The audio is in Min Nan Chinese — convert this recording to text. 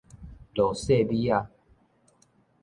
落雪米仔